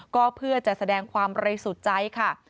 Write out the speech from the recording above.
ก็เพื่อจะแสดงความเรยสุดใจค่ะ